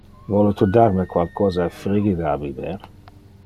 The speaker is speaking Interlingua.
Vole tu dar me qualcosa frigide a biber?